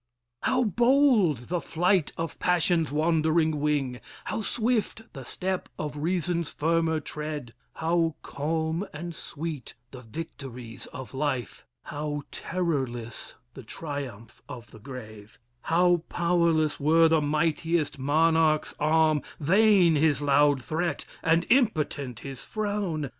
How bold the flight of passion's wandering wing, How swift the step of reason's firmer tread, How calm and sweet the victories of life. How terrorless the triumph of the grave! How powerless were the mightiest monarch's arm, Vain his loud threat and impotent his frown!